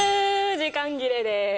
時間切れです。